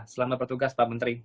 selamat bertugas pak menteri